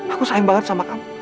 aku sayang sekali dengan kamu